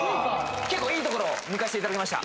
結構いいところを抜かせていただきました